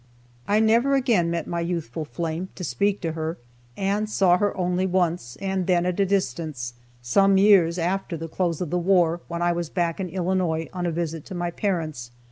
I never again met my youthful flame, to speak to her, and saw her only once, and then at a distance, some years after the close of the war when I was back in Illinois on a visit to my parents.